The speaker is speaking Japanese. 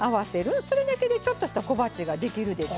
それだけでちょっとした小鉢ができるでしょ。